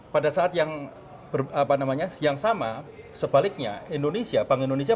pada saat yang sama sebaliknya indonesia bank indonesia